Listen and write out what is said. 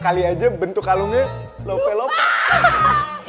kali aja bentuk kalungnya lope lopek